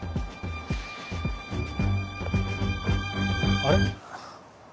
あれ？